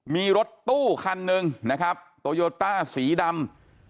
มีรถตู้คันหนึ่งนะครับโตโยต้าสีดำ